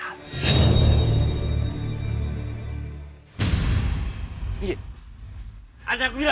nari rati itu wanita murah